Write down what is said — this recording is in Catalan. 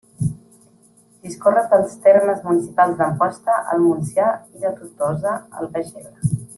Discorre pels termes municipals d'Amposta, al Montsià, i de Tortosa, al Baix Ebre.